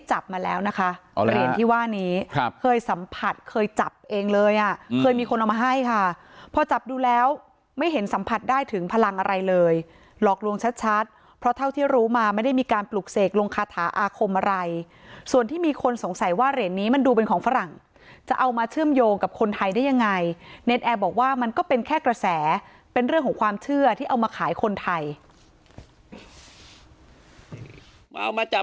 จับมาแล้วนะคะเหรียญที่ว่านี้ครับเคยสัมผัสเคยจับเองเลยอ่ะเคยมีคนเอามาให้ค่ะพอจับดูแล้วไม่เห็นสัมผัสได้ถึงพลังอะไรเลยหลอกลวงชัดชัดเพราะเท่าที่รู้มาไม่ได้มีการปลุกเสกลงคาถาอาคมอะไรส่วนที่มีคนสงสัยว่าเหรียญนี้มันดูเป็นของฝรั่งจะเอามาเชื่อมโยงกับคนไทยได้ยังไงเนรนแอร์บอกว่ามันก็เป็นแค่กระแสเป็นเรื่องของความเชื่อที่เอามาขายคนไทย